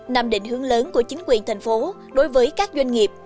nằm định hướng lớn của chính quyền tp hcm đối với các doanh nghiệp